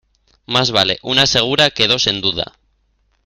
Más vale una segura que dos en duda.